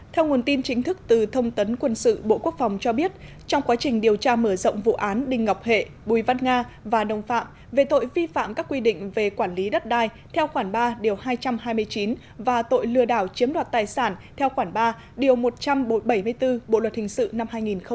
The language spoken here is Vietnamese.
theo nguồn tin chính thức từ thông tấn quân sự bộ quốc phòng cho biết trong quá trình điều tra mở rộng vụ án đinh ngọc hệ bùi văn nga và đồng phạm về tội vi phạm các quy định về quản lý đất đai theo khoản ba điều hai trăm hai mươi chín và tội lừa đảo chiếm đoạt tài sản theo khoản ba điều một trăm bảy mươi bốn bộ luật hình sự năm hai nghìn một mươi năm